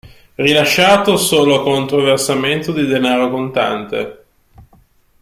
Rilasciato solo contro versamento di denaro contante.